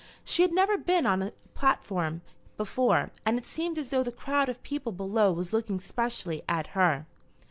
She had never been on a platform before, and it seemed as though the crowd of people below was looking specially at her.